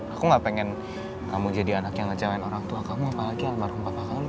aku gak pengen kamu jadi anak yang ngecewain orang tua kamu apalagi almarhum bapak kamu